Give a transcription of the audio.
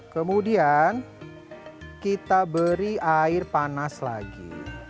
kemudian kita beri air panas lagi